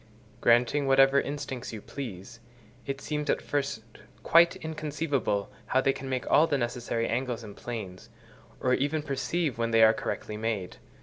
Granting whatever instincts you please, it seems at first quite inconceivable how they can make all the necessary angles and planes, or even perceive when they are correctly made.